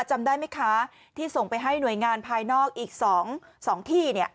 จำได้ไหมคะที่ส่งไปให้หน่วยงานภายนอกอีก๒ที่